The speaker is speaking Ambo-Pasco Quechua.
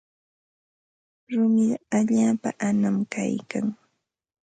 Rumiqa allaapa anam kaykan.